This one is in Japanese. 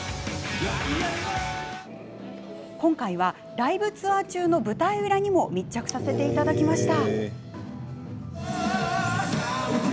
今回は、ライブツアー中の舞台裏にも密着させていただきました。